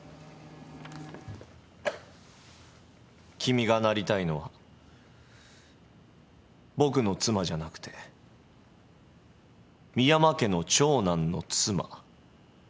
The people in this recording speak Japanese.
君がなりたいのは僕の妻じゃなくて深山家の長男の妻。